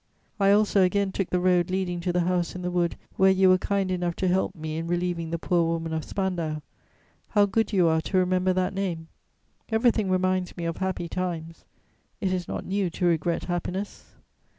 I also again took the road leading to the house in the wood where you were kind enough to help me in relieving the poor woman of Spandau; how good you are to remember that name! Everything reminds me of happy times. It is not new to regret happiness.